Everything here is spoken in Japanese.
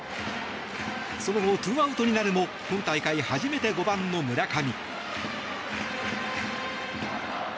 その後、２アウトになるも今大会初めて５番の村上。